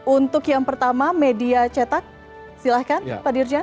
untuk yang pertama media cetak silahkan pak dirjen